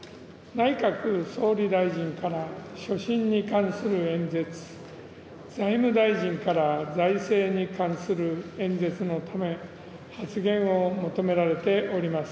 内閣総理大臣から所信に関する演説、財務大臣から、財政に関する演説のため、発言を求められております。